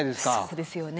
そうですよね。